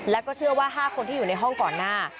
แล้วก็เชื่อว่า๕คนที่อยู่ในห้องก่อนหน้า